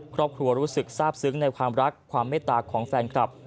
รู้สึกทราบซึ้งในความรักความเมตตาของแฟนคลับ